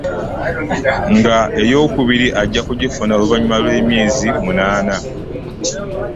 Nga eyookubiri ajja kugifuna oluvannyuma lw'emyezi munaana